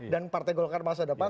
dan partai golkar masa depan